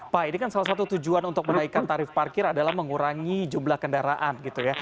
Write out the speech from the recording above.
pak ini kan salah satu tujuan untuk menaikkan tarif parkir adalah mengurangi jumlah kendaraan gitu ya